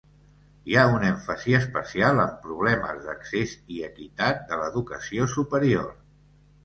Hi ha un èmfasi especial en problemes d'accés i equitat de l'educació superior.